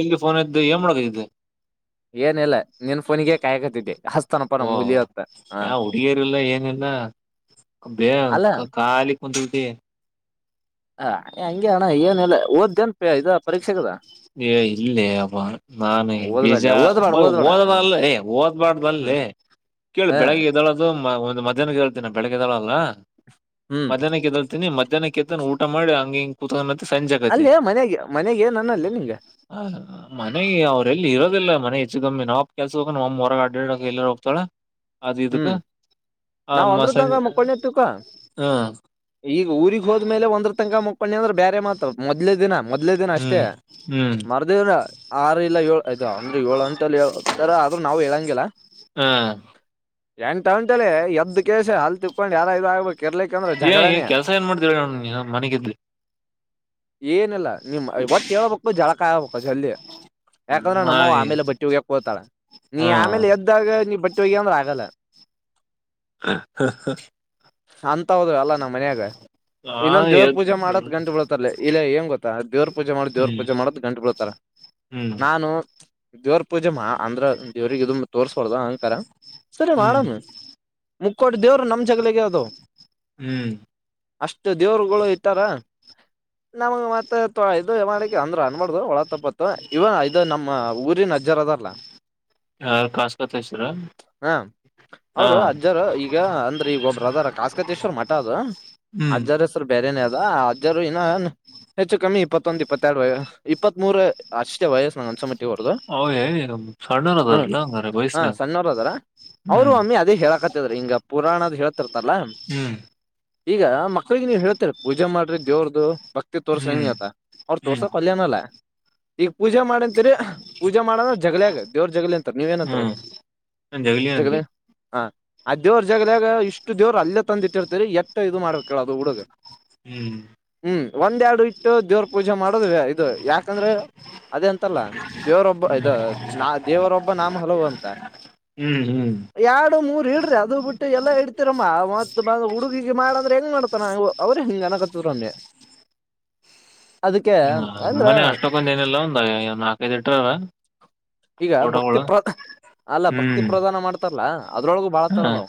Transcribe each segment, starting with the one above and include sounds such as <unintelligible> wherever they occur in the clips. ಎಲ್ಲಿ ಫೋನ್ ಇದ್ದೆ ಹೆಮ್ಮ್ಳಗ ಇದಿದ್ದೆ ಏನಲ್ಲಾ ನಿನ್ ಫೋನಿಗೆ ಕಾಯಕತಿದ್ದೆ ಓ ಯ ಹುಡುಗಿಯರಿಲ್ಲ ಏನಿಲ್ಲ ಬೇ ಅಲ್ಲ ಖಾಲಿ ಹೊಂದುದೆ ಹ ಹಂಗಗೆಣ ಏನಲ್ಲ ಓದ್ದೆಂತ ಇದ ಪರೀಕ್ಷೆೆಗೆದಾ ಏ ಇಲ್ಲ ಅಬ್ಬ ನಾನೇ ಬೀಜ ಓದ್ಬೇಡ್ಲ ಓದ್ಬೇಡ ಓದ್ಬೇಡ ಹ್ಮ್ ಓದಲ್ಲ ಓದ್ಬಾರ್ದಲ್ಲಿ ಕೇಳಿ ಹ ಬೆಳಗ್ಗೆ ಇದ್ದೊಳದು ಒಂದ್ ಮಧ್ಯಾಹ್ನ ಕೇಳ್ತೇನ ಬೆಳಗ್ಗೆದಳಲ್ಲ ಹ್ಮ್ ಮಧ್ಯಾಹ್ನಕ್ಕೆದಳ್ತೀನಿ ಮಧ್ಯಾಹ್ನಕ್ಕೆ ಊಟ ಮಾಡಿ ಹಂಗಿಂಗ ಕುತ್ ಅಲ್ಲೇ ಮನೆಗೆ ಮನೆಗೆ ನನ್ನಲ್ಲೇ ಹ ಮನೆ ಅವ್ರಲ್ಲಿ ಇರೋದೆಲ್ಲ ಮನೆ ಸಿಗಮ್ಮಿ ನಾಪ್ ಕೆಲ್ಸ ಹೋಗ ನಮ್ಮ ಹೊರಗ ಅಡ್ಡ ಎಲ್ಲ ಹೋಗ್ತಳ ಹ್ಮ್ ನಾವ ಮ ಒಂದ್ರ ತನಕ ಸಂಜೆ ಮುಕ್ಕೊಂಡೆತ್ತುಕ್ಕ ಹ್ಮ್ ಈಗ ಊರಿಗ್ ಹೋದ್ಮೇಲೆ ಒಂದ್ರ ತನಕ ಮುಕ್ಕ ಪಪ್ಪಣಿ ಅಂದ್ರ ಬೇರೆ ಮಾತತ್ ಮೊದ್ಲೇ ದಿನ ಮೊದ್ಲೇ ದಿನ ಅಷ್ಟೇ ಹ್ಮ್ ಹ್ಮ್ ಮರ್ದ್ರ ಆರು ಇಲ್ಲ ಏಳ್ ಆಯತ ಅಂದ್ರೆ ಏಳು ಅಂಟಲ್ಲಿಳ್ತರ ಆದ್ರೂ ನಾವವು ಹೇಳಂಗಿಲ್ಲ ಹ್ಮ್ ಎಂಟೌಂಟ ಎದ್ ಕೇಶ ಹಲ್ ತಿಕೊಂಡು ಯಾರ ಇದಾಗಗ್ಬೇಕು ಏ ಏನ್ ಕೆಲ್ಸ ಏನ್ ಮಾಡ್ತರ ನ ಮನೆಗ ಇದ್ಲಿ ಏನಿಲ್ಲ ನಿಮ್ ಇವತ್ತು ಹ ಹೇಳಳ್ಬೇಕು ಜಳ ಕಾಯು ಜಲ್ದಿ ಯಾಕಂದ್ರೆ ಹ್ಮ್ ನಮ್ಮ ಆಮೇಲೆ ಬಟ್ಟಿ ಹೋಗ್ಯಕ್ ಹೋತಾಳ ನೀ ಹಾ ಆಮೇಲೆ ಎದ್ದಾಗ ನೀ ಬಟ್ಟಿ ಬಟ್ಟಿ ವಗಿ ಆಗಲ್ಲ ಹ ಹ ಶಾಂತ ಗತ ಹೋದ್ರು ಅಲ್ಲಾ ನಮ್ಮ ಮನಯಾಗ ಆ ಇನ್ನೊಂದ ದೇವ್ರ ಎದ್ ಪೂಜೆ ಮಾಡೋದ್ ಗಂಟು ಬೀಳತಾರಲಿ ಇಲ್ಲ ಏಂಗ ಗೊತ್ತಾ ದೇವ್ರ ಪೂಜೆ ಮಾಡ ದೇವ್ರ ಹ್ಮ್ ಪೂಜೆ ಮಾಡದ್ ಗಂಟ ಬೀಳತಾರ ಹ್ಮ್ ನಾನು ದೇವ್ರ ಪೂಜೆ ಮಾ ಅಂದ್ರ ದೇವ್ರಿಗೆ ಇದ ತೋರ್ಸ್ಬಡ್ದ ಅಂಕಾರ ಸರಿ ಹ್ಮ್ ಮಾಡೋದು ಮುಕೋಟಿ ದವ್ರು ನಮ ಗಳಿಗೆ ಅದು ಹ್ಮ್ ಅಷ್ಟು ದೇವರುಗಳು ಇಟ್ಟಾರ ನಮ್ ಮತ್ತ ಐದು ಮಾಡಕ್ಕೆ ಅಂದ್ರ ಅನ್ಬಾರಡ್ದು ಒಳ ತಪ್ಪತ್ತು ಇವನ್ ಇದು ನಮ್ಮ ಊರಿನ ಅಜ್ಜರ ಅದರಲ್ಲಾ ಯಾರ್ ಕಾಸ್ಕತೈಸರ ಹಾ ಹಾ ಅವರು ಅಜ್ಜರು ಈಗ ಅಂದ್ರೆ ಈಗ ಒಬ್ಬ್ರದರ್ ಕಾಸ್ಕತೇಶ್ವರ್ ಮಠ ಅದು ಹ್ಮ್ ಅಜ್ಜರ ಹೆಸರು ಬೇರೆೇನ ಅಜ್ರು ಇ ಹೆಚ್ಚು ಕಮ್ಮಿ ಇಪ್ಪತ್ತೊಂದಂದು ಇಪ್ಪತ್ತೆರಡು ವ ಇಪ್ಪತ್ತ್ ಮೂರ ಅಷ್ಟೇ ವಯಸ್ಸ ನ ಅಂದಸ ಹ ಸಣ್ಣರದಾರಲ್ಲಾಗಾರೆ ಹಾ ವಯಸನ್ಯಾಗ ಸಣ್ಣವ್ರ ಅದಾರ ಅವರು ಒಮ್ಮಿ ಅದೇ ಕೇಳಕತ್ತದ್ರ ಹಿಂಗ ಪುರಾಣದು ಹೇಳೇತಿರ್ತಲ್ಲಾ ಹ್ಮ್ ಈಗ ಮ ಮಕ್ಕಳಿಗೆ ನೀವ ಹೇಳ್ತರ ಪೂಜೆ ಮಾಡ್ರಿ ದೇವ್ರು ಭಕ್ತಿ ತೋರ್ಸ ಹ್ಮ್ ಹಂಗಿತ ಅವ್ರರು ಹ್ಮ್ ತೋರ್ಸಕ ವಲ್ಯಣನ ಅಲ್ಲ. <unintelligible> ಪೂಜೆ ಮಾಡಂತೀರಿ ಪೂಜೆ ಮಾಡಣ ಜಗಲಿಯಾಗ ದೇವ್ರ ಜಗಲಿ ಅಂತ ನೀವ ಏನ ಅಂತೀರೀ ಏನನ್ರಿ ಹ ಆ ದೇವ್ರ ಜಾಗದೋಗ ಇಷ್ಟು ದೇವ್ರು ಅಲ್ಲೇ ತಂದ ಇಟ್ಟಿರ್ತರಿ ಎಟ್ಟ ಇದು ಮಾಡ್ಬೇಕ ಹೇಳ ಅದು ಹುಡುಗ ಹ್ಮ್ ಹ್ಮ್ ಒಂದ್ ಎರಡು ಇಟ್ಟು ದೇವ್ರ ಪೂಜೆ, ಪೂಜೆ ಮಾಡದವೆ ಇದು ಯಾಕಂದ್ರೆ ಅದೇ ಅಂತರಲ್ಲಾ ದೇವರೊಬ್ಬ ಇದು ದೇವರೊಬ್ಬ ನಾಮ ಹಲವು ಅಂತ ಹ್ಮ್ ಹ್ಮ್ ಎರಡು ಮೂರ್ ಇಡ್ರಿ ಅದು ಬಿಟ್ಟು ಮ ಎಲ್ಲಾ ಇಡ್ತರಮ್ಮ ಮತ್ ಬ ಹುಡುಗಿಗೆ ಮಾಡಂದ್ರೆ ಹೆಂಗ್ ಮಾಡ್ತಾನ ಅವ್ರ ಹಿಂಗ ಅನಕತ್ತಮಗೆ ಹ್ಮ ಅಮ್ಮನೆ ಅಷ್ಟೊಕ್ಕೊಂದ ಏನಲ್ಲ ಒಂದ ನಾಕೈದು ಇಟ್ರಾರ ಈಗ ಭಕ್ತಿ ಫೋಟೋಗಳು ಹ್ಮ್ ಲ್ಲಾ ಅದ್ರೊಳಗು ಹಾ ಬಾಳತ್ತರಾದಾವು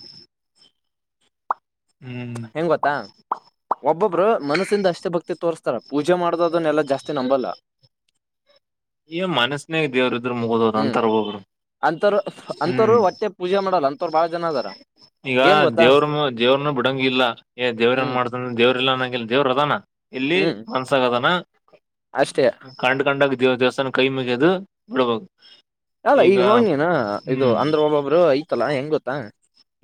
ಹ್ಮ್ ಹೆಂಗ ಗೊತ್ತಾ ಒಬ್ಬೊಬ್ರು ಮನಸ್ಸಿಂದ ಅಷ್ಟೇ ಭಕ್ತಿ ತೋರಿಸತಾರ ಪೂಜೆ ಮಾಡ್ದ ಅದನ್ನ ಎಲ್ಲಾ ಜಾಸ್ತಿ ನಂಬಲ್ಲಾ. ಈ ಮನಸ್ನೇನಾಗ ದೇವರು ಇದ್ರು ಮುಗದ ಹೋತ ಹ್ಮ್ ಅಂತರ್ ಒಬ್ಬೊಬ್ರು ಅಂತರು ಅಂತರು ಹ್ಮ್ ಹೊಟ್ಟೆ ಪೂಜೆ ಮಾಡಲ್ಲ ಅಂತವ್ರು ಬಾಳ ಜನ ಅದಾರ ಈಗ ಏನ್ ಗೊತ್ತಾ ದೇವ್ರನು ದೇವ್ರನು ಬಿಡಂಗ ಇಲ್ಲ ದೇವ್ರ ನ್ ಹ್ಮ್ ಮಾಡ್ತಂದ್ರ ದೇವ್ರ ಇಲ್ಲ ಅಂಗಲ್ಲ ದೇವ್ರ ಅದಾನ ಎಲ್ಲಿ ಹ್ಮ್ ಮನಸ್ಸನ್ನಗಾ ಅದಾನ ಅಷ್ಟೇ ಕಂಡ್ ಕಂಡಾಗ ದೇವ್ ದೇವಸ್ಥಾನ ಕೈ ಮುಗಿದು ನಡಬಹುದು ಅಲ್ಲ ಈಗ ನೋಡ್ ನೀನು ಇದು ಹ್ಮ್ ಅಂದ್ರ ಒಬ್ಬೊಬ್ರು ಐತಲ್ಲಾ ಹೆಂಗ ಗೊತ್ತಾ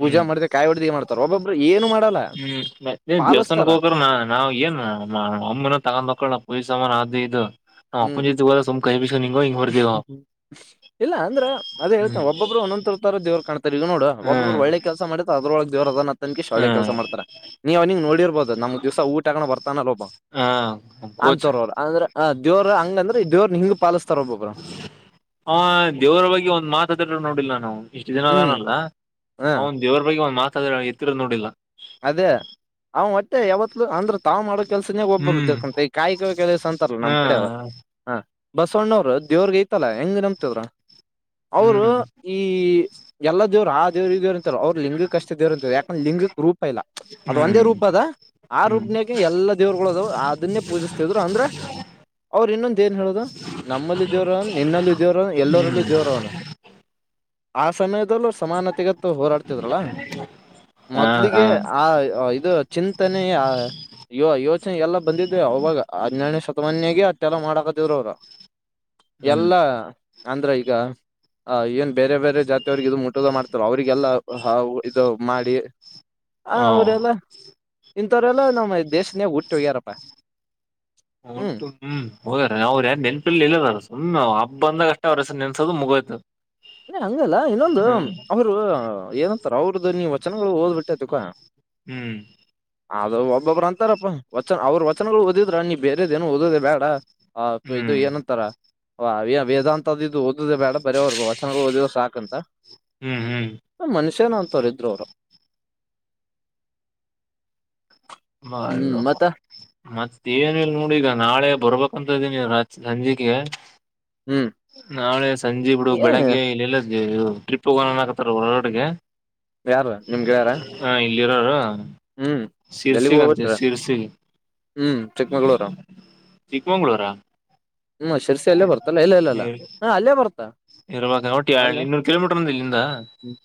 ಪೂಜಾ ಹ್ಮ್ ಮಾಡ್ದ ಕಾಯಿ ಹೊಡ್ದ ಮಾಡ್ತಾರ ಒಬ್ಬೊಬ್ರು ಏನು ಮಾಡಲ್ಲ ಹ್ಮ್ ಮತ್ತ ನೀನ್ ಪಾಲಿಸ್ತಾರ ದೇವಸ್ಥಾನಕ್ಕೆ ಹೋಗ್ರ ನ ನಾವ್ ಏನ್ ಒಮ್ಮಿನ ತಗೊಂಡ್ ಮಕ್ಕಳ ಪಲೀಸ ಹದು ಇದು ನಮ್ಮಪ್ಪನ ಜೊತೆ ಹೋದರೆ ಸುಮ್ಮನೆ ಕೈಬಿಸ್ಕೊಂಡ್ ಹ್ಮ್ ಇಲ್ಲ ಅಂದ್ರ ಅದ ಹ್ಮ್ ಹೇಳ್ತೇಾನ ಒಬ್ಬೊಬ್ರು ಒನ್ನೊಂತರತಾರ ದೇವ್ರು ಕಾಣ್ತಾರೆ ತಗ ನೋುವ ಒಬಬ್ರು ಹ್ಮ್ ಒಳ್ಳೆ ಕೆಲಸ ಮಾಡತ ಅದ್ರೊಳಗೆ ಜದ ತ ಶಳ್ಳೆ ಹ್ಮ್ ಕೆಲಸ ಮಾಡತ ನೀ್ ಅವನಿ ನೋಡಿರ ಇರ್ಬೋದು ನಮ್ಮೂಗ್ ದಿವಸ ಊಟ ಕಣೋ ಬರುತ್ತೆ. ತಾನಲ್ ಒಬ್ಬ ಹ ಕೋಚ್ ಅಂತೋರು ಅವ್ರು ಅಂದ್ರೆ. ದೇವರು ಹಂಗಂದ್ರೆ ದೆವ್ರ್ನಾ ಹಿಂಗ ಪಾಲಸ. <inaudible> ಹಾ ದೇವರ ಬಗ್ಗೆ ಒಂದ್ ಮಾತದರು ನೋಡಿಲ್ಲ ನಾನು. ಹೌಂ <inaudible> ಇಷ್ಟು ದಿನ ಹ್ಮ್ ಅದಾನಲ್ಲ ಹ ಅವನ್ ದೇವರ ಬಗ್ಗೆ ಒಂದ್ ಮಾತ್. ಅದನ್ನು ಎತ್ತಿರೋದ್ ನೋಡಿಲ್ಲ. ಅದೇ ಅವ ಮತ್ತೆ ಯಾವತ್ಲುೂ ಅಂದ್ರೆ ತಾವ್ ಮಾಡೋ ಕೆಲ್ಸನೇ ಒಬ್ಬರು ಹ್ಮ್ ದುಡ್ಕೊಂಡ್ರೆ ಈ ಕಾಯಕ ಕೆಲಸ ಅಂತಲ್ಲ ನಮ್ ಕಡೆ ಹ್ಮ್ ಹ. ಬಸವಣ್ಣವ್ರರು ದೇವ್ರಿಗೆ ಐತಲ್ಲಾ ಹೆಂಗ್ ನಂಬ್ತಿದ್ರು. ಅವರು ಹ್ಮ್ ಈ. ಎಲ್ಲ ದೇವ್ರು ಆ ದೇವ್ರು ಈ ದೇವ್ರು. ಅವ್ರು ಲಿಂಗಕಷ್ಟೇ ದೇವ್ರು ಯಾಕಂದ್ರೇ ಲಿಂಗಕ್ ರೂಪ್. ಇಲ್ಲ ಇಲ್ಲ ಅದು ಒಂದೇ ಹ್ಮ್ ರೂಪ ಅದ ಆ ಹ್ಮ್ ರೂಪನಾಗೆ ಎಲ್ಲಾ ದೇವ್ರಗಳದು ಅದನ್ನೇ ಪೂಜಿಸ್ತಿದ್ರು ಅಂದ್ರೇ ಅವ್ರು ಇನ್ನೊಂದು ಏನ್ ಹೇಳದು ನಮ್ಮಲ್ಲಿ ದೇವರವನೆ ನಿನ್ನಲ್ಲಿ ದೇವರವನೆ ಹ್ಮ್ ಎಲ್ಲರಲ್ಲೂ ದೇವರವನೆ. ಹ. ಸಮಯದಲ್ಲೂ ಸಮಾನತೆಗತ್ತು ಹೋರಾಡ್ತಿದ್ರಲ್ಲ ಹಾ ಮೊದ. ಹಾ ಹಾಗೆ ಆ ಇದು ಚಿಂತನೆಯ ಯೋಚನೆ ಎಲ್ಲ ಬಂದಿದ್ದೇ ಅವಾಗ ಹನ್ನೆರಡನೇ ಶತಮಾನಗೆ ಅಟ್ಟೇಲ್ಲ ಮಾಡಕತಿದ್ರು. ಹೋದ. ಹ್ಮ್ ಎಲ್ಲ. ಅಂದ್ರ ಈಗ ಆ ಏನ್. ಬೇರೆ ಬೇರೆ ಜಾತಿಯವ್ರರಿಗೆ ಇದು ಮುಟುದ ಮಾಡ್ತಾರೆ ಅವರಿಗೆಲ್ಲ. ಹಾ ಇದು ಮಾಡಿ. ಹಾ ಹ ಅವರೆಲ್ಲ. ಇಥರೆಲ್ಲಾ ನಮ್ಮ್ ದೇಶನಗೆ ಹುಟ್ಟೋಗ್ಯಾರಪ್ಪ. ಹುಟ್ಟು ಹ್ಮ್ ಹೋಗ್ಯಾರ ಅವ್ರರು ಯಾರು ನೆನ್ಪಿಲ್ಲಿ <unintelligible> <unintelligible> ಬಂದಾಗ ಅಷ್ಟೇ ಅವ್ರು ಹೆಸರು ನೆನಸ್ಕೊತಾರೆ <unintelligible> ಮುಗೋಯ್ತು. ಅದೇನ್ ಹಂಗಲ್ಲ ಇನ್ನೊಂದು ಹ್ಮ್ ಅವರು. ಏನಂತಾರ ಅವ್ರುದು ನೀ ವಚನಗಳು ಓದ್ಬಟ್ಟೇ ತಿಳ್ಕೊ. ಹ್ಮ್. ಅದು. ಒಬೊಬ್ಬರು ಅಂತಾರಪ್ಪ. ಅವ್ರ ವಚನಗೋಳ ಓದಿದ್ರ ನೀ ಬೇರೆದ ಏನು ಓದದೆ ಬ್ಯಾಡಾ. ಇದು ಹ್ಮ್ ಏನಂತಾರ ವಾ ವೇ ವೇದಂತದಿದ್ದಿದ್ದು ಓದುದ ಬೇಡಾ ವಚನಗಳು ಓದಿದ್ರೆ ಸಾಕಂತ ಹ್ಮ್ ಹ್ಮ್ <unintelligible> ಅಂತವ್ರ ಇದ್ರ ಅವರ. <unintelligible> ಏನು ಇಲ್ಲ ನೋಡ ಈಗ ನಾಳೆ ಬರ್ಬೇಕಂತ ಇದ್ದೀನಿ ಸಂಜಿಕೆ ಹ್ಮ್ ನಾಳೆ ಸಂಜೀ ಬಿಡು ಏನ್ ಬೆಳಗ್ಗೆ ಇಲ್ಲೆಲೊ ಏ ಟ್ರಿಪ್ ಹೋಗೋಣ ಅನಾಕತ್ತಾರ್ ಹೊರನಾಡಿಗೆ ಯಾರ ನಿಮ್ಮ ಗೆಳೆಯಾರಾ. ಇರೋರೂ ಹ್ಮ್ <unintelligible> ಹೋಗ್ಬಿಟ್ರ ಹ್ಮ್ ಚಿಕ್ಕಮಂಗಳೂರು. ಚಿಕ್ಕಮಂಗಳೂರ ಹ್ಮ ಶಿರ್ಸಿ ಅಲ್ಲೇ ಬರ್ತಲ್ಲ ಇಲ್ಲ ಇಲ್ಲ ಇಲ್ಲ ಹ ಅಲ್ಲೇ ಬರ್ತ. ಇರ್ಬೇಕ ಒಟ್ಟ ಯಾಡ್ ಇನ್ನೂರ ಕಿಲೋಮೀಟರ್ ಇರಬೋದ ಇಲ್ಲಿಂದ. ಹ್ಮ್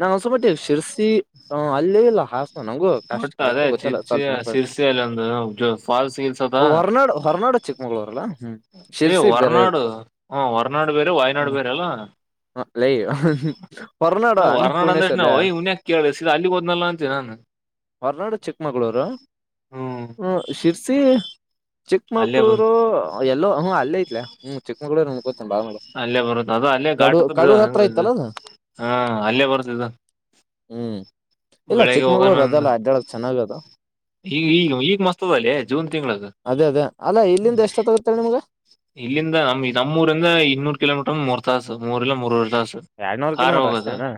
ನಾನ್ ಅನ್ಸಮಟ್ಟಿ ಶಿರ್ಸಿ ಹ ಅಲ್ಲಿ ಇಲ್ಲ ಹಾಸನ ನಂಗೂ ಅಷ್ಟ ಒಟ್ಟ ಅದೇ ಕರೆಕ್ಟ್ ಗೊತ್ತಿಲ್ಲ ಚಿರ್ಚಿ ಸ್ವಲ್ಪ ನೆನಪ ಸಿರ್ಸಿ ಅಲ್ಲಿ ಒಂದು ಫಾಲ್ಸ್ ಗಿಲ್ಸ್ ಅದ ಹೊರನಾಡ ಹೊರನಾಡ ಚಿಕ್ಕಮಳೂರಲ್ಲಾ ಹ್ಮ. ಲೇ ಹೊರನಾಡು ಹ್ಮ್ ಹೊರನಾಡು ಬೇರೆ ವಾಯ್ನಾಡು ಹ್ಮ್ ಬೇರೆ ಅಲ್ಲ ಲೈ ಹೊರನಾಡು ಹ ಅಣ್ಣ ಹೊರನಾಡು ಅಂದಕ್ಷನ ಪೂರ್ಣೇಶ್ವರ್ಲ್ಲ ಓಯ್ ಇವನ್ಯಾಕ್ ಕೇಳ್ದೆ ಸೀದಾ ಅಲ್ಲಿಗಿ ಹೋದ್ನಲ್ಲ ಅಂತ ನಾನ ಹೊರನಾಡು <unintelligible> ಚಿಕ್ಕಮಂಗಳೂರು ಹ್ಮ್ ಶಿರ್ಸಿ ಅಲ್ಲೇ ಬ ಚಿಕ್ಕಮಂಗಳೂರು ಎಲ್ಲೋ ಹ್ಮ ಅಲ್ಲೇ ಹ್ಮ್ ಚಿಕ್ಕಮಗಳೂರು ನಂಗ ಗೋತ ಅಲ್ಲೇ ಬರುತ್ತ ಅದು ಅ ಅಲ್ಲೇ ಘಾಟ ತ ಕಡೂರ್ ಹತ್ರ ಇದು ಐತಲ್ಲ ಅದು ಹಾ ಅಲ್ಲೇ ಬರುತದ ಅಂತ. ಹ್ಮ್ ಇಲ್ಲ ಬೆಳಿಗ್ಗೆ ಹೋಗಣ ಚಿಕ್ಕಮಂಗ್ಳೂರ್ ಅದಲ್ಲ ಅಡ್ಡಾಡಕ್ ಚೆನ್ನಾಗದ ಈಗ ಈಗ ಈಗ ಮಸ್ತದ ಅಲ್ಲಿ ಜೂನ್ ತಿಂಗಳಗ ಅದೇ ಅದೇ ಅಲ್ಲ ಇಲ್ಲಿಂದ ಎಷ್ಟೊತ್ತಾಗತ್ತೇಳ ನಿಮ್ಗ ಇಲ್ಲಿಂದ ನಮ್ಮ ನಮ್ಮೂರಿಂದ ಇನ್ನೂರ್ ಕಿಲೋಮೀಟರ್ ಮೊರ್ ತಾಸ ಮೂರ ಇಲ್ಲ ಮೂರುವರಿ ತಾಸ. ಎರಡ್ನೂರು ಕಿಲೋಮೀಟರ್ ಅಷ್ಟೇನಾ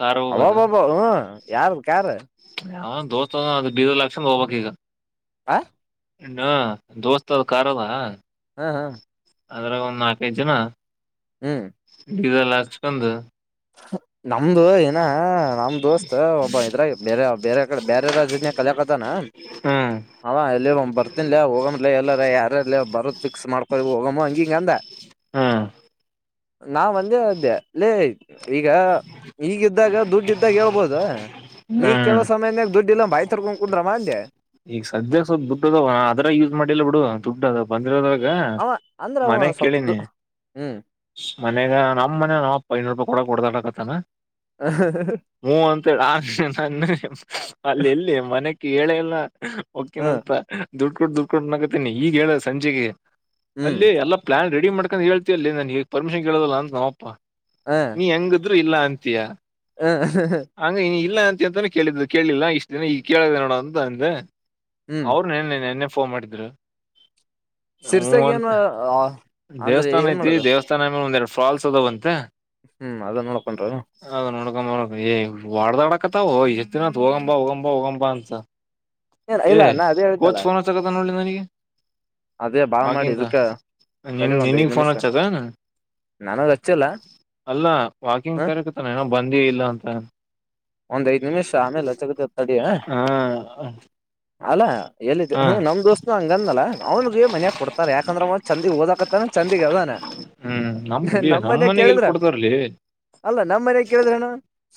ಕಾರ್ ಹೋಗೋದು ಅಬಬಬ ಯಾರದ ಕಾರ್ ಯಾವೋ ದೋಸ್ತ ಅದಾನ್ ಅದಕ್ ಡೀಸೆಲ ಹಾಕ್ಸುಕೊಂಡ ಹೋಗ್ಬೇಕ್ ಈಗ. ಆ ಇನ್ನು ದೋಸ್ತ್ ಅದ ಖಾರ್ ಅದಾ. ಹ ಹಾ ಅದರಾಗ ಒಂದ್ ನಾಲ್ಕೈದು ಜನ. ಹೂ ಡೀಸೆಲ್ ಹಾಕಿಸಿಕೊಂಡು <unintelligible> ನಮ್ದು ಏನ ನಮ್ ದೋಸ್ತ್ ಒಬ್ಬ ಇದ್ರಾಗ ಬೇರೆ ಬೇರೆ ಕಡೆ. ಬ್ಯಾರೆ ರಾಜ್ಯನಾಗ್ ಕಲ್ಯಾಕತನ. ಹ್ಮ್ ಅವ ಎಲ್ಲಿ ಒಮ್ಮ ಬರ್ತಿನ ಲಿ ಹೋಗಮಲ ಎಲ್ಲಾರ ಯಾರಲ್ಲಿ ಬರದ್ ಫಿಕ್ಸ್ ಮಾಡ್ಕೊ ಹೋಗಮ್ಮ ಹಂಗಿ. ಎಂದ ಹ್ಮ್ ನಾ ಒಂದೇ ಅಂದೇ ಏ ಈಗ ಈಗಿದ್ದಾಗ ದುಡ್ ಇದ್ದಾಗ ಹೇಳ್ಬೋದ ನೀ ಕೇಳೋ ಹ್ಮ್ ಸಮಯದಾಗ ದುಡ್ಡು ಇಲ್ಲಾ ಬಾಯಿ ತರ್ಕೊಂಡ ಕುುದ್ರಮ್ಮ ಅಂದೆ. ಈಗ ಸದ್ಯ ಸ್ವಲ್ಪ ದುಡ್ಡು ಅದಾವ ರದವಾಗ ಅವ ಅಂದ್ರ ಅವ ಮನೆ ಸ್ವಲ್ಪ ದು ಕೇಳಿನಿ ಹ್ಮ್ ಮನೆಗ ನಮ್ಮ್ ಮನೆ ನಾಪ್ಪ ಐನೂರು. <unintelligible> ತಮ ಹೂ ಅಂತೇಳ ಆ ನನ್ನ ಅಲ್ಲಿ ಎಲ್ಲಿ ಮನೆ. ಹೇಳೆ ಇಲ್ಲಾ ಹ್ಮ್ ಹೊಕಿನಂತ ದುಡ್ಡು ಕೊಟ್ಟ ಡ್ಡುಡ್ ಕೊಟ್ಟ ಅನಕತಿನಿ ಈಗ ಹೇಳ ಸಂಜಿಗಿ. ಹ್ಮ್ ಅಲ್ಲಿ ಎಲ್ಲ ಪ್ಲಾನ್ ರೆಡಿ. ಮಾಡ್ಕೊಂಡು ಹೇಳ್ತಿ ಅಲ್ಲಾ ಲೆ ನನ್ಗ ಈಗ ಪರ್ಮಿಷನ್ಳೋಲ್ಲ ಅಂತ ನಮ್ಮಪ್ಪ. ನೀ ಹೆಂಗ. ಆದ್ರರು ಇಲ್ಲ ಅಂತಯಾ. ಹ ಹ ಹ. ಅಂತಾನೇ ಕೇಳಿದ್ದು ಕೇಳಿಲ್ಲ ಇಷ್ಟ ದಿನ ಈ ಕೇಳಿದೆ ನೋಡ ಅಂತ ಅಂದೆ. ಹ್ಮ್ ಅವ್ರನ್ನನ್ನೆ. ಫೋನ್ ಮಾಡಿದ್್ರ. ಹ್ಮ ಸಿರ್ಸಾಗ ಏನ್ ಅಂತ ಅಂದ್ರೆ ದೇವಸ್ಥಾನ ಏನ್ ಐತಿ ಮಾಡೋದು ದೇವಸ್ಥಾನಮೇಲೆ ಒಂದ್ೆರಡು. ಫಾಲ್ಸ್ ಅದಾವಂತ. ಹ್ಮ್. ಅ ನೋಡಕೊಂಡ. <unintelligible> ವಡ್ದಾಡಕತ್ತಾವ ಎಷ್ಟ್ ದಿನತ್ ಹೋಗಂಬಾ ಹೋಗಂಬಾ ಹೋಗಂಬಾ ಅಂತ. ಏನ್ ಏ ಇಲ್ಲ ನಾ ಅದೇ ಹೇಳಿದ್ದಲ್ಲ ಕೋಚ್ ಫೋನ್ಗ ಅಚ್ಚಕ್ಕ ನೋಡಲಿ ನನಗೆ. ಹ್ಮ. ಅದೇ ಬಾ ಮಾಡಿ ಇದಕ್ಕೆ ನಿನ್ ತಡೆ ಒಂದ್ ಐದ್ ನಿನಗ್ ಫೋನ್ ನಿಮಿಷ ಹಚ್ಚದನ ನನಗ ಹಚ್ಚಿಲ್ಲ. ಹ ವಾಕಂಗ್್ಯ. ಬಂದಿ ಇಲ್ಲ ಅಂತ. ಒಂದ್ ಐದು ನಿಮಿಷ ಆಮೇಲೆ ಲ ಜಗದ ಹೊತ್ತಾಡಿ. ಹಾ. ಅಲ್ಲ ಎಲ್ಲಿದ್ದ ಹ ನಮ್ ದೋಸ್ತನು ಹಂಗಂದಲ್ಲಾ ಅವನಗ ಮನ್ಯಾಗ ಕೊಡ್ತಾರ ಯಾಕಂದ್ರ ಅವ ಚಂದಿ ಓದಕತ್ತಾನ ಚಂದಗ ಅ್ದಾನ ಹ್ಮ್ ಇಲ್ಲಿ ನಮ್ ಮನ್ಯ ಮನೆಗ್ ಎಲ್ ಕೇಳಿದ್ರ ಕೊಡ್ತಾರಲಿ ಅಲ್ಲ ನಮ್ ಮನ್ಯಾಗ ಕೇಳಿದ್ರನ.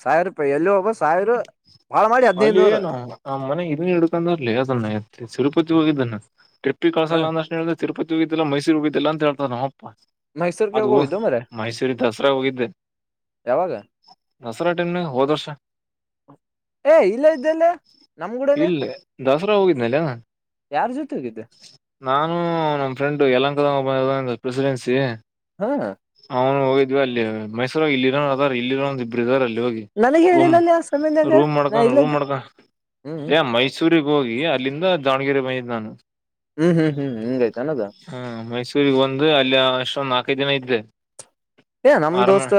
ಸಾವಿ ರಪಿ. ಎಲ್ಲಿ ವಾಪಸ್ ಅಲ್ಲಿ ಏನು ಆ್ ಮನೆ ಇದನ್ ಹಿಡ್ಕಂದ್ರಲಿ ಅದನ್ನತ್ತ ಸಿಲ್ಪ. ತ್ ಹೋಗಿದ್ದಾನ. ಪ ಕಸ ಹ ಲಾ. ತಿರುಪತಿ ಹೋಗಿದ್ದಿಲ್ಲ ಮೈಸೂ ಹೋಗಿದ್ದಿಲ್ಲ ಅಂತ ಹಳ್ತ ನಾವು. ಾ ಮೈಸೂರ್ಗೆ ಅದು ಹೋಗಿದ್ದು ಮರ ಮೈಸೂರಿ ದಸರಾ ಹೋಗಿದ್ದೆ. ಯಾವಾಗ ದಸರಾ ಟೈಮ್ನ ಹೋದ್ ವರ್ಷ. ಏ ಇಲ್ಲೇ ಇದ್ದಲ್ಲ ನಮಗೂಡನೆ. ಇಲ್ಲೇ ದಸರಾ ಹೋಗಿದ್ನಲ್ಲ. ಯಾರ್ ಜೊತೆಗಿದ್ದ. ನಾನು ನಮ್ಮ ಫ್ರೆಂಡ್ ಯಲಂಕದ ಬಂದ ಪ್ರೆಸಿಡೆನ್ಸಿ. ಹಾ ಅವನು ಹೋಗ. ಇದು ಅಲ್ಲಿ ಮೈಸೂರ ಇರೋ ಅದ ಇಲ್ಲಿರೋ ಇಬ್ಬರು ಇದಾರೆ ಅಲ್ಲಿ. ಹೋಗಿ ನನಗೆ ರೂಮ್ ಹೇಳಿಲ್ಲಲ್ಲಿ. ರೂಮ್ ಮಾಡ್ಕ ರೂಮ್ ಮಾಡ್ಕ ಹ್ಮ್ ಮೈಸೂರು. ೂರಿಗೆ ಹೋಗಿ ಅಲ್ಲಿಂದ ದಾವ್ಗೆರೆ ಬಂದಿದ್ದ್ ನಾನು. ಹ್ಮ್ ಹ್ಮ್ ಹ್ಮ್ ಹಿಂಗೈತ ಅನ್ನದ ಹ್ಮ ಮೈಸೂರಿಗೆ ಬಂದು ಅಲ್ಲಿ ಅಷ್ಟೊಂದುಾ. ಕದಿನ ಇದ್ರೆ. ಏ ನಮ ದೋಸ್ತ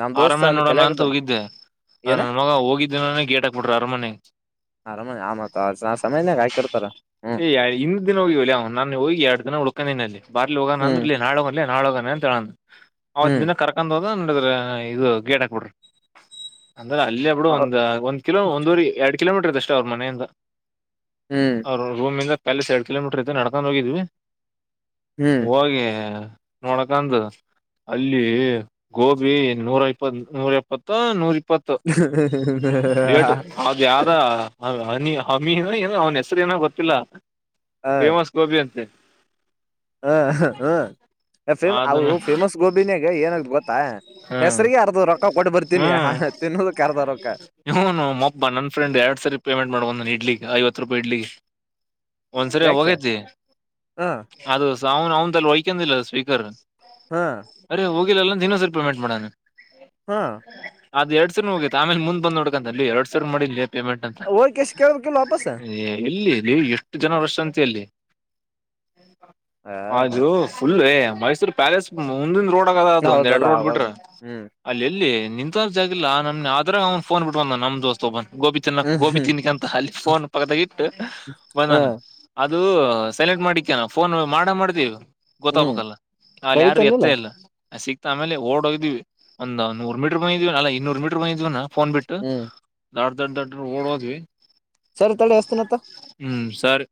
ನಮ್ ದೋಸ್ತ ಅರಮನೆ ಅಲ್ಲಿ ನೋಡೋಣ ಅಂತ ಕಲಗದ ಹೋಗಿದ್ದೆ ಏನ ನನ್ ಮಗ ಹೋಗಿದ್ದಿನಾನೇ ಗೇಟ್ ಹಾಕ್ಬಿಟ್ರ ಅರಮನೆ ಆರಮನೆ ಆಮತ್ ಸಮಯನಾಗ ಹಾಕಿರ್ತಾರ ಹ್ಮ್. ಹೋಗಿ ಅ್ ನು ಹೋಗಿ ಎರ ದಿನ ಉಳಕೊಂಡನಲ್ಲಿ ಬಾರ್ಲಿ ಹೋಗಣ ಹ್ಮ್ ಅಂದ್ರ ಇ ನಾಳೆ. ನಾಳದನೆ ಅಂತ ಹೇಳ. ಅವದ್ ಹ್ಮ್ ದಿನ ಕರ್ಕೊಂಡ್ ಹ. ಹ ನಡಿದ್ರ ಇದು ಗೇಡ ಕೊಡ್ರಿ. ಅಂದ್ರೆ ಅಲ್ಲಿ ಅಬ್ಡು ಒಂದ್ ಒಂದ್ ಕಿೋ ಒಂದ ಎರಡ್. ಕಿಲೋಮೀಟರ್ ಅಷ್ಟ ಅವ್ರ ಮನೆಯಿಂದ. ಹ್ಮ್ ಅವ ರೂಮಿಂದ. ಪಲ್ಲ ಸ ಕಿಲೋಮೀಟರ್ ಐತೆ ನಡ್ಕೊಂಡ ಹೋಗಿದ್ವಿ ಹ್ಮ್ ಹೋಗೆ ನೋಡಕಂದ ಅಲ್ಲಿ ಗೋಬಿ ನೂರ ಇಪ್ಪತ್ ನೂರ ಎಪ್ಪತ್ತ ನೂರ ಇಪ್ಪ ಇಪ್ಪತ್ತು ಲೇಟು ಹ ಅದು ಯಾವ್ದ ಹನಿ ಹಮಿ ಅವ್ನ್ ಹೆಸರು ಏನಾಗ ಗೊತ್ತಿಲ್ಲ ಫೇಮಸ್ ಗೋಬಿ ಅಂತೆ ಹಾ ಹ್ಮ ಫ ಅವು ಅದನ್ನ ಫೇಮಸ್ ಗೋಬಿನಾಗ ಏನ ಗೊತ್ತಾ ಹ್ಮ್ ಹೆಸ್ರಿಗೆ ಅರ್ಧ ರೊಕ್ಕ ಕೊಟ್ಟ ಬರ್ತೀನಿ ಹ್ಮ್ ಹ ತಿನ್ನೋದಕ್ಕೆ ಅರ್ಧ ರೊಕ್ಕ ಇವನು ಮೊಬ್ಬ ನನ್ ಹತ್ರ ಪಡ್ಲಿಗೆ ಒಂದ್ಸರಿ ಯಾಕೆ ಹೋಗೈತಿ ಹ ಅದು ಅವ್ನು ಅವನು ಅ ವಹ್ಕಿಲ್ಲ ಸ್ವೀರ್ ಹ್ಮ ಲ್ಲ ನೀಿನೂ ಸರ್ ಪೇಮೆಟ್ ಮಾಡೋೆ ಹಾ ಅದ ಎರಡ್ ಸರ್ ಹೋಗಿ ಆಮೇ ಮುಂದ ನುಡ್ಕಂತ ಅಲ್ಲಿ ಎರ ಸರ್ ಮಾಡಿೇ ಪೇಮೆಂಟ್ ಅಂತ ಹೋಗಿ ಎಷ್ಟ್ ಕೇಳ್ಬೇಕಿಲ್ ವಾಪಸ್ ಎಲ್ಲಿ ಷ್ಟು ಜನರ ಸಂಂತೆಯಲ್ಲಿ ಹ ಹಾಜು ುಲ್ಲ ಮೈಸೂರು ಪ್ಯಾಲೇಸ್ ಮುಂದಿನ ರೋಡ್ ದ ಅದು ಒಂದ್ ಎರಡು ಹೌದಲ್ಲ ರೋಡ್ ಅವಾಗ ಬಿಟ್ರ ಹ್ಮ್ ಅಲ್ಲಿ ಎಲ್ಲಿ ನಿಂತ ಜಾಗಿಲ್ಲ ನಮ್ಮ ಆದ್ರೆ ಅವನು ಫೋನ್ ಬಿಟ್ಬಂದಾನ ನಮ್ಮ ದೋಸ್ತ ಒಬ್ಬ ಗೋಬಿ ತಿನ್ನ ಹ್ಮ್ ಗೋಬಿ ಹ್ಮ್ ತಿನ್ಕಂತ ಅಲ್ಲಿ ಫೋನ್ ಪಕ್ಕದಗ ಇಟ್ಟು ಹಾ ಬಂದನಾ ಅದು ಸೆಲೆಕ್ಟ್ ಮಾಡಿಕನ ಫೋನ್ ಮಾಡ ಮಾಡ್ತೀವಿ ಹ್ಮ್ ಗೊತ್ತಬಕ್ಕಲ್ಲ ಅಲ್ಲಿ ಯಾರು ಕಳಿತೇನಿಲ್ಲ ಎತ್ತೇ ಇಲ್ಲ ಸಿಕ್ತ ಆಮೇಲೆ ಓಡ್ ಹೋಗ್ವಿ ಒಂದಂದುರು ಮೀಟರ್ ಬಂದಿದೀವ ಅಲ್ಲ ಇನ್ನೂರು ಮೀಟರ್ ಬಂದಿದೀವಾ ಫೋನ್ ಬಿಟ್ಟು ಹ್ಮ್ ನಾಡ್ ದಡ್ ದಡ್ಡ ಓಡೋದ್ವಿ ಸರಿ ತಳಿ ಎಸ್ತನತ್ತ ಹ್ಮ್ ಸರ್